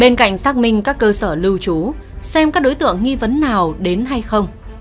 bên cạnh xác minh các cơ sở lưu trú xem các đối tượng nghi vấn nào đến hay không